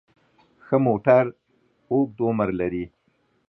ښه موټر اوږد عمر لري.